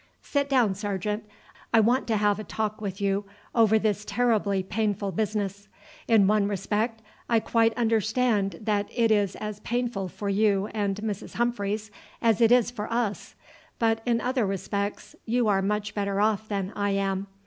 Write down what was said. "Sit down, sergeant. I want to have a talk with you over this terribly painful business. In one respect I quite understand that it is as painful for you and Mrs. Humphreys as it is for us, but in other respects you are much better off than I am.